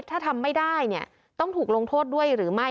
ถ้าทำไม่ได้เนี่ยต้องถูกลงโทษด้วยหรือไม่